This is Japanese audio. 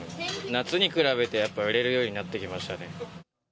夏に比べて、やっぱり売れるようになってきましたね。